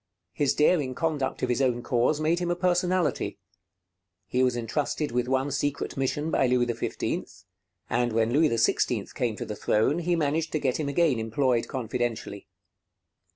His daring conduct of his own cause made him a personality. He was intrusted with one secret mission by Louis XV; and when Louis XVI came to the throne, he managed to get him again employed confidentially.